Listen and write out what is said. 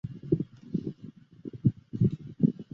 克服了做醛的交叉羟醛反应时醛的自身缩合问题。